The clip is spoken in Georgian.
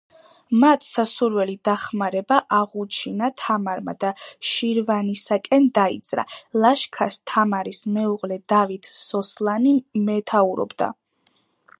მათ სასურველი დახმარება აღუჩინა თამარმა და შირვანისაკენ დაიძრა, ლაშქარს თამარის მეუღლე დავით სოსლანი მეთაურობდა.